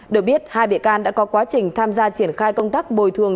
được biết hai bị can đã có quá trình tham gia triển khai công tác bồi thường